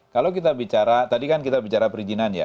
kalau kita bicara tadi kan kita bicara perizinan ya